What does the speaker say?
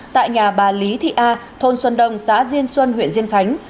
tại nhà bà lý thị a thôn xuân đông xã diên xuân huyện diên khánh